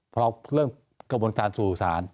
พอเราเริ่มกระบวนการทราบสู่สาร